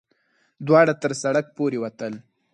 دواړه تر سړک پورې وتل.